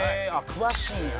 詳しいんや。